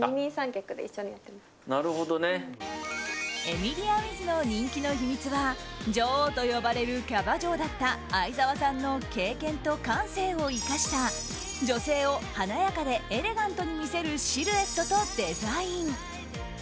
エミリアウィズの人気の秘密は嬢王と呼ばれるキャバ嬢だった愛沢さんの経験と感性を生かした女性を華やかでエレガントに見せるシルエットとデザイン。